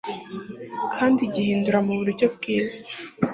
kandi gihindura mu buryo bwiza